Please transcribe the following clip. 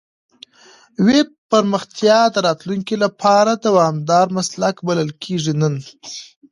ویب پرمختیا د راتلونکي لپاره دوامدار مسلک بلل کېږي نن.